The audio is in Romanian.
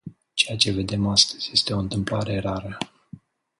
Ceea ce vedem astăzi este o întâmplare rară.